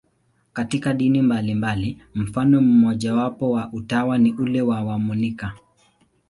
Katika dini mbalimbali, mfano mmojawapo wa utawa ni ule wa wamonaki.